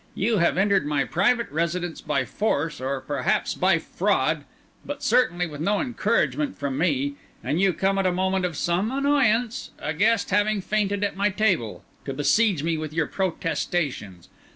You have entered my private residence by force, or perhaps by fraud, but certainly with no encouragement from me; and you come at a moment of some annoyance, a guest having fainted at my table, to besiege me with your protestations.